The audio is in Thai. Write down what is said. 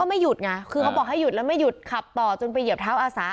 ไม่หยุดไงคือเขาบอกให้หยุดแล้วไม่หยุดขับต่อจนไปเหยียบเท้าอาสา